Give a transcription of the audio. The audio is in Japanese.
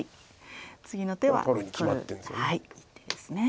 次の手は取る一手ですね。